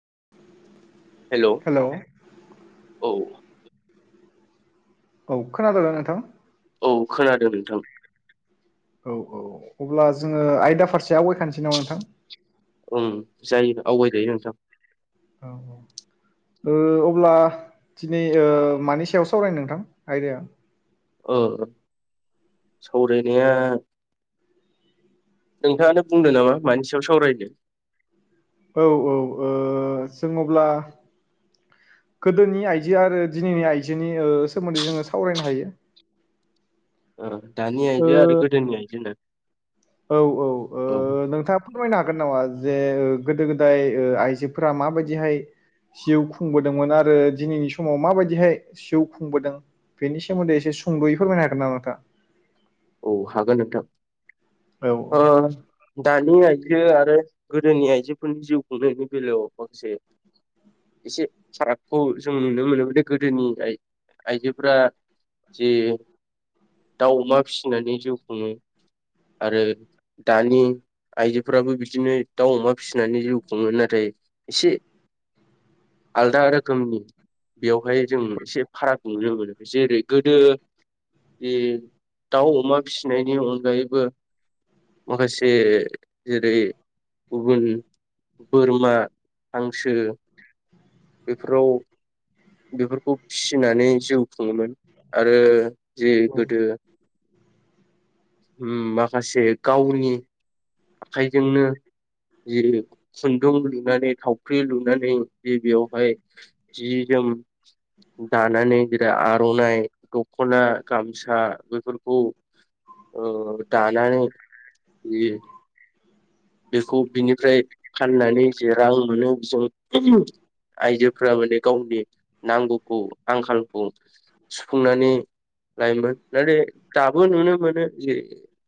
[inaudible] Hello औ औ खोनादोंना नोंथां औ खोनादों नोंथां औ औ अब्ला जोङो आयदा फारसे आवगायखानोसै नामा नोंथां? उम जायो आवगाय जायो नोंथां ओ अब्ला दिनै ओ मानि सायाव सावरायनो नोंथां आयदाया? अ सावरायनाया नोंथाङानो बुंदो नामा मानि सायाव सावरायनो औ-औ ओ जों अब्ला गोदोनि आइजो आरो दिनैनि आइजोनि ओ सोमोन्दै जोङो सावरायनो हायो ओ दानि ओ आइजो आरो गोदोनि आइजोआ औ औ ओ नोंथाङा फोरमायना हाग हागोन नामा जे गोदो गोदाय ओ आइजोफोरा माबायदिहाय जिउ खुंबोदोंमोन आरो दिनैनि समाव माबायदिहाय जिउ खुंबोदों बेनि सोमोन्दै एसे सुंदयै फोरमायनो हागोन नामा नोंथाङा औ हागोन नोंथां औ औ अ दानि आइ दो आरो गोदोनि आइजोफोरनि जिउ खुंनायनि बेलायाव माखासे फारागखौ जों नुनो मोन गोदोनि आइजोफोरा जे दाउमा अमा फिसिनानै जिउ खुङो आरो दानि आइजोफोराबो बिदिनो दाउ अमा फिसिनानै जिउ खुङो नाथाय एसे आलदा रोखोमनि बेवहाय जों एसे फाराग नुनो मोनो जेरै गोदो बे दाउ अमा फिसिनायनि अनगायैबो माखासे जेरै गुबुन बोरमा हांसो बेफोराव बेफोरखौ फिसिनानै जिउ खुङोमोन आरो औ जेरै गोदो उम माखासे गावनि आखाइजोंनो जि खुन्दुं लुनानै थावख्रि लुनानै गिबियावहाय जि जोम दानानै बिरा आरनाइ दखना गामसा बेफोरफोरखौ ओ दानानै बेखौ बिनिफ्राय फाननानै जे रां मोनो बिजों आइजोफ्रा माने गावनि नांगौखौ आंखालखौ सुफुंनानै लायोमोन नाथाय दाबो नुनो मोनो जे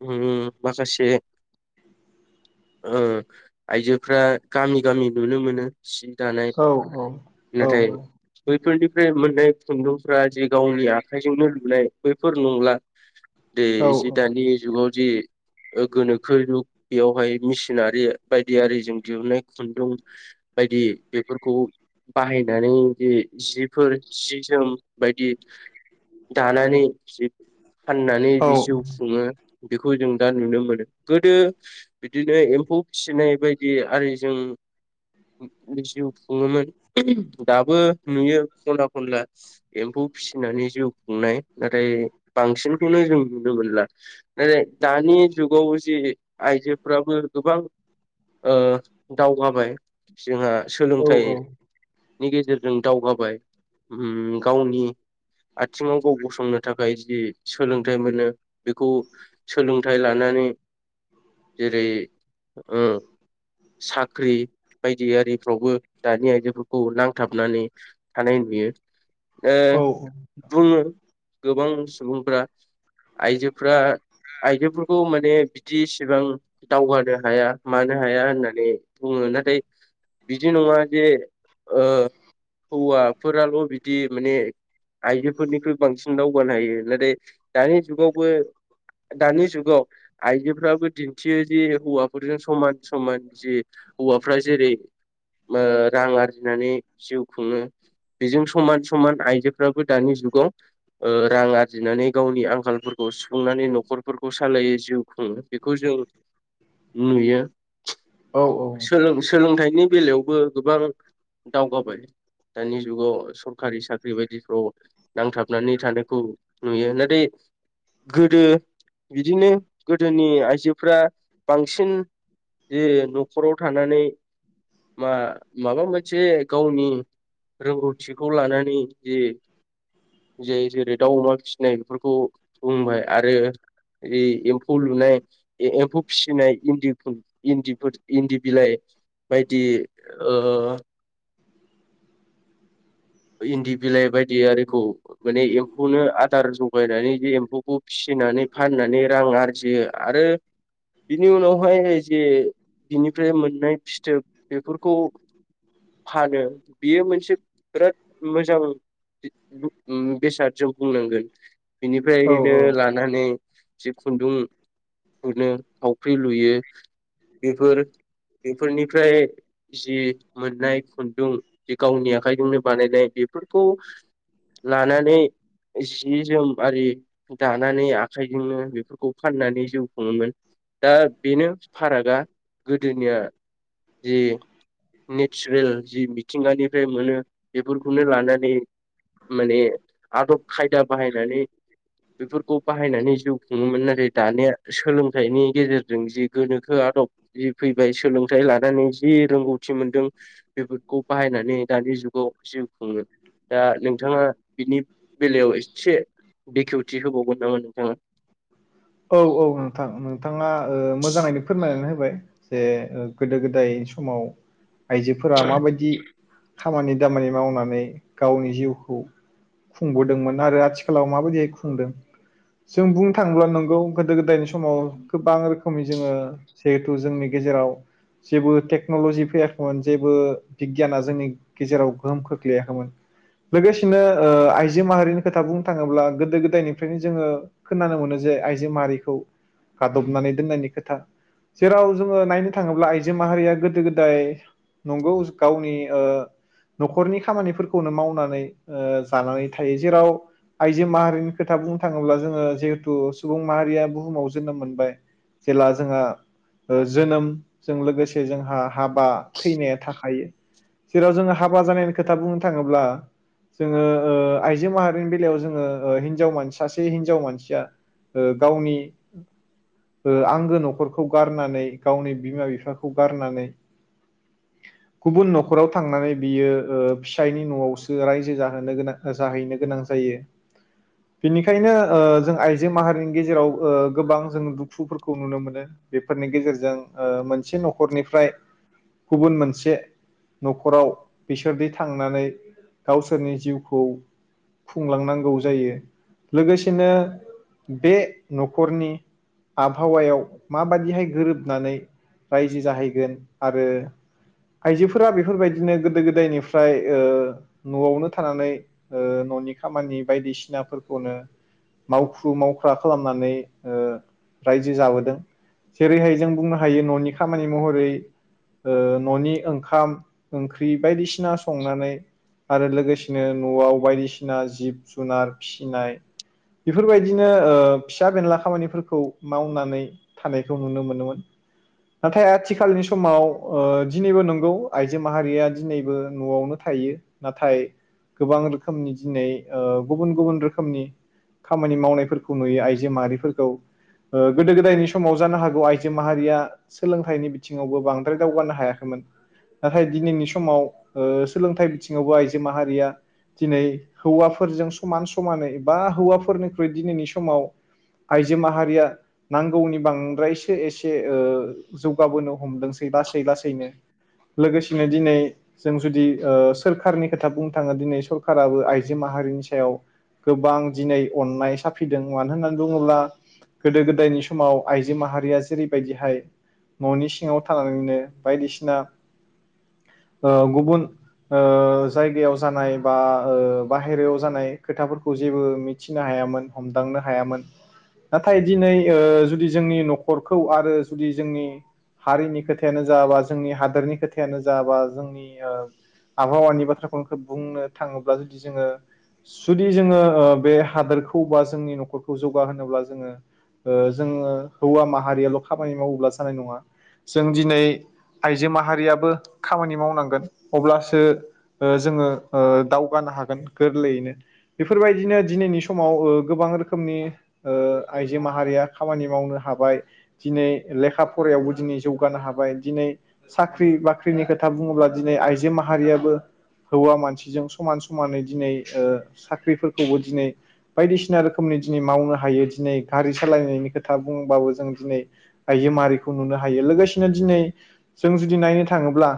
उम माखासे ओ आइजोफ्रा गामि गामि नुनो मोनो सि दानाय औ नाथाय बैफोरनिफ्राय मोन बै खुन्दुंफ्रा जे गावनि आखाइजोंनो लुनाय बेैफोर नंला दे एसे दानि जुगाव जि गोनोखो जुग बेयावहाय मेसिनारि बायदि आरिजों दिहुननाय खुन्दुं बायदि बेफोरखौ बाहायनानै जे जिफोर सि जोम बायदि दानानै जि फाननानै बि जिउ खुङो बेखौ जों दा नुनो मोनो गोदो बिदिनो एम्फौ फिसिनाय बायदि आरि जों जिउ खुङोमोन दाबो नुयो खना खनला एम्फौ फिसिनानै जिउ खुंनाय नाथाय बांसिनखौनो जों नुनो मोनला नाथाय दानि जुगाव जि फोराबो गोबां ओ दावगाबाय जोंहा सोलोंथाइ नि गेजेरजों दावगाबाय उम गावनि आथिङाव गाव गसंनो थाखाय जि सोलोंथाइ मोनो बेखौ सोलोंथाइ लानानै जेरै उम साख्रि बायदि आरिफ्रावबो दानि आइजोफोर खौ नांथाबनानै थानाय नुयो ओ बुङो गोबां सुबुंफोरा आइजोफ्रा आइजोफोरखौ माने जिसेबां दावगानो हाया मानो हाया होननानै बुङो नाथाय बिदि नङा जे ओ हौवाफोराल बिदि माने आइजोफोरनिख्रुइ बांसिन दावगानो हायो नाथाय दानि जुगावबो दानि जुगाव आइजोफ्राबो दि थियारि हौवाफोरजों समान समान जि हौवाफ्रा जेरै ओ रां आरजिनानै जिउ खुङो बेजों समान समान आइजोफ्राबो दानि जुगाव रां आरजिनानै गावनि आंखालफोरखौ सुफुंनानै नखरफोरखौ सालायो जिउ खुङो बेखौ जों नुयो सोलों सोलोंथाइनि बेलायावबो गोबां दावगाबाय दानि जुगाव सरखारि साख्रि बायदिफ्राव नांथाबनानै थानायखौ नुयो नाथाय गोदो बिदिनो गोदोनि आइजोफ्रा बांसिन जे नखराव थानानै मा माबा मोनसे गावनि रोंगौथिखौ लानानै जि जे जेरै दाउ अमा फिसिनाय बेफोरखौ बुंबाय आरो इ एम्फौ लुनाय ए-एम्फौ फिसिनाय इन्दिखौ इन्दिफोर इन्दि बिलाइ बायदि ओ इन्दि बिलाइ बायदि आरिखौ माने एम्फौनो आदार जगायनानै बे एम्फौखौ फिसिनानै फाननानै रां आरजियो आरो बेनि उनावहाय जे बेनिफ्राय मोननाय फिथोब बेफोरखौ फानो बियो मोनसे बिराद मोजां बेसाद जों बुंनांगोन बिनिफ्रायनो लानानै जि खुन्दुं खुनो थावख्रि लुयो बेफोर बेफोरनिफ्राय जि मोननाय खुन्दुं जि गावनि आखाइजोंनो बानायनायनिबोथ' लानानै जि जोम आरि दानानै आखाइजोंनो बेफोरखौ फाननानै जिव खुङोमोन दा बेनो फारागा गोदोनिया जि नेचारेल जि मिथिंगानि फ्राय मोनो। बेफोरखौनो लानानै माने आदब खायदा बाहायनानै बेफोरखौ बाहायनानै जिउ खुङोमोन नाथाय दानिया सोलोंथाइनि गेजेरजों जि गोनोखो आदब जि फैबाय सोलोंथाइ लानानै जि रोंगौथि मोनदों बेफोरखौ बाहायनानै दानि जुग गाव जिव खुङो दा नोंथाङा बिनि बेलायाव एसे बेखेवथि होबावगोन नामा नोंथाङा? औ औ नोंथां नोंथाङा ओ मोजाङैनो फोरमायनानै होबाय जे गोदो गोदाय समाव आइजोफोरा माबायदि खामानि दामानि मावनानै गावनि जिउखौ खुंबोदोंमोन आरो आथिखालाव माबायदिहै खुंदों जों बुंनो थाङोब्ला नों गौ गोदो गोदायनि स समाव गोबां रोखोमै जोङो जिहेथु जोंनि गेजेराव जेबो टेक्नलजि फैयाखैमोन जेबो बिगियाना जोंनि गेजेराव गोहोम खोख्लैयाखैमोन लोगोसेनो ओ आइजो माहारिनि खोथा बुंनो थाङोब्ला गोदो गोदायनिफ्रायनो जोङो खोनानो मोनो जे आइज जो माहारिखौ गादबनानै दोननायनि खोथा जेराव जोङो नायनो थाङोब्ला आइजो माहारिया गोदो गोदाय नंगौ गावनि ओ नखरनि खामानिफोरखौनो मावनानै ओ जानानै थायो जेराव आइजो माहारिनि खोथा बुंनो थाङोब्ला जोङो जिहेथु सुबुं माहारिया बुहुमाव जोनोम मोनबाय जेला जोंहा ओ जोनोमजों लोगोसे जोंहा हाबा थैनाया थाखायो‌ जेराव जोंना हाबा जानायनि खोथा बुंनो थाङोब्ला जोङो ओ आइजो माहारिनि बेलायाव जोङो ओ हिनजाव मान सासे हिनजाव मानसिया ओ गावनि ओ आंगो नखरखौ गारनानै गावनि बिमा बिफाखौ गारनानै गुबुन नखराव थांनानै बियो ओ फिसायनि नआवसो रायजो जाहोनो गोनां ओ जाहैनो गोनां जायो बिनिखायनो ओ जों आइज जो माहारिनि गेजेराव ओ गोबां जों दुखुफोरखौ नुनो मोनो बेफोरनि गेजेरजों ओ मोनसे नखरनिफ्राय गुबुन मोनसे नखराव बिसोरदि थांनानै गावसोरनि जिउखौ खुंलांनांगौ जायो लोगोसेनो बे नखरनि आबहावायाव माबादिहाय गोरोबनानै रायजो जाहैगोन आरो आइजोफोरा बेफोरबायदिनो गोदो गोदायनिफ्राय ओ नआवनो थानानै ओ ननि खामानि बायदिसिनाफोरखौनो मावखु ख्रु मावख्रा खालामनानै ओ रायजो जाबोदों जेरैहाय जों बुंनो हायो ननि खामानि महरै ओ ननि ओंखा ओंख ख्रि बायदिसिना संनानै आरो लोगोसेनो नआव बायदिसिना जिब जुनार फिसिनाय बेफोरबाय दिनो ओ फिसा फेनला खामानिफोरखौ मावनानै थानायखौ नुनो मोनगोन नाथाय आथिखालनि समाव ओ दिनैबो नंगौ आइजो माहारिया दिनैबो नआवनो थायो नाथाय गोबां रोखोमनि दिनै ओ गुबुन गुबुन रोखोमनि खाम मानि मावनायफोरखौ नुयो आइजो माहारिफोरखौ ओ गोदो गोदायनि समाव जानो हागौ आइजो माहारिया सोलोंथाइनि बिथिंङावबो बांद्राय दावगानो हायाखैमोन नाथाय दिनैनि समाव सोलोंथाइ बिथिङावबो आइजो माहारिया दिनै हौवाफोरजों समान समानै बा हौवाफोरनि ख्रुइ दिनैनि समाव आइजो माहारिया नांगौनि बांद्रायसो एसे ओ जौगाबोनो हमदोंसै लासै लासैनो लोगोसेनो दिनै जों जुदि ओ सोरखारनि खोथा बुंनो थाङो दिनै सरखाराबो आइजो माहारिनि सायाव गोबां दिनै अननाय साफिदों मानो होननानै बुङोब्ला गोदो गोदायनि समाव आइजो माहारिया जेरैबायदिहाय ननि सिङाव थानानैनो बायदिसिना ओ गुबुन ओ जायगायाव जानाय बा बाहेरायाव जानाय खोथाफोरखौ जेबो मि थिनो हायामोन हमदांनो हायामोन नाथाय दिनै ओ जुदि जोंनि नखरखौ आरो जुदि जोंनि हारिनि खोथायानो जा बा जोंनि हादोरनि खोथायानो जा बा जोंनि आबहावानि बाथ्राखौनो बुंनो थाङोब्ला जुदि जोङो जुदि जोङो ओ बे हादोरखौ बा जोंनि नखरखौ जौगा होनोब्ला जोङो ओ जोङो हौवा माहारियाल खामानि मावोब्ला जानाय नङा जों दिनै आइजो माहारियाबो खामानि मावनांगोन अब्लासो ओ जोङो ओ दावगानो हागोन गोरलैयैनो बेफोरबायदिनो दिनैनि सम समाव ओ गोबां रोखोमनि ओ आइजो माहारिया खामानि मावनो हाबाय दिनै लेखा फरायायावबो दिनै जौगानो हाबाय दिनै साख्रि बाख्रिनि खोथा बुङोब्ला दिनै आइजो माहारियाबो हौवा मानसिजों समान समानै दिनै ओ साख्रिफोरखौबो दिनै बायदिसिना रोखोमनि दिनै मावनो हायो दिनै गारि सालायनायनि खोथा बुंबाबो जों दिनै आइजो माहारिखौ नुनो हायो लोगोसेनो दिनै जों जुदि नायनो थाङोब्ला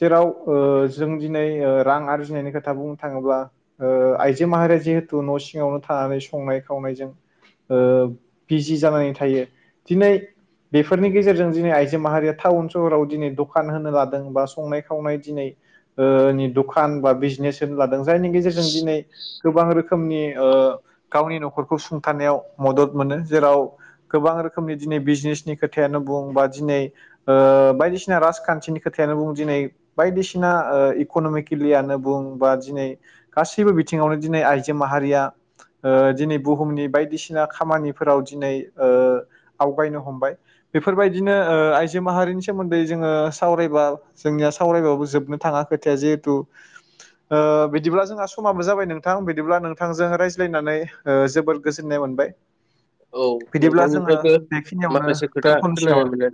जेराव ओ जों दिनै ओ रां आरजिनायनि खोथा बुं थाङोबा ओ आइजो माहारिया जिहेथु न' सि सिङावनो थानानै संनाय खावनायजों ओ बिजि जानानै थायो दिनै बेफोरनि गेजेरजों दिनै आइजो माहारिया टाउन सहराव दिनै दखान होनो लादों बा संनाय खावनाय दिनै ओ नि दखान बा बिजनेस होनो लाद- जायनि गेजेरजों दिनै गोबां रोखोमनि ओ गावनि नखरखौ सुंथानायाव मदद मोनो जेराव गोबां रोखोमनि दिनै बिजनेसनि खोथायानो बुं बा दिनै ओ बायदिसिना राजखान्थिनि खोथायानो बुं दिनै बायदिसिना ओ इकनमिकेलियानो बुं बा दिनै गासैबो बिथिङावनो दिनै आइजो माहारिया ओ दिनै बुहुमनि बायदिसिना खामानिफोराव दिनै ओ आवगायनो हमबाय बेफोरबायदिनो ओ आइजो माहारिनि सोमोन्दै जोङो सावरायबा जोंनिया सावरायबाबो जोबनो थाङा खोथाया जिहेथु ओ बिदिब्ला जोंहा स समाबो जाबाय नोंथां बिदिब्ला नोंथांजों रायज्लायनानै ओ जोबोर गोजोननाय मोनबाय औ बिदिब्ला जोङो नोंथांनिफ्रायबो बेखिनियावनो माखासे खोथा दोनथ'नोसै खोनानो नामा मोनो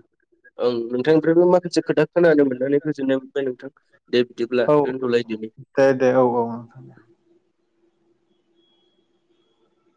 ओं नोंथांनिफ्रायबो माखासे खोथा खोनानो मोननानै गोजोननाय मोनबाय नोंथां दे बिदिब्ला औ दोनथ'लायदिनि दे दे औ औ